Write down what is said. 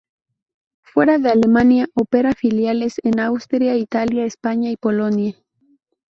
Fuera de Alemania opera filiales en Austria, Italia, España y Polonia.